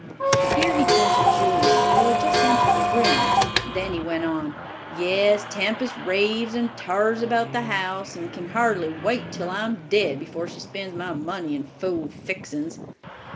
Here he turned to Julia, who had just entered the room. Then he went on: "Yes, Tempest raves and tars about the house and can hardly wait till I'm dead before she spends my money in fool fixin's.